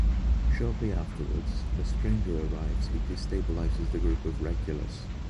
Shortly afterwards, a stranger arrives who destabilizes the group of regulars.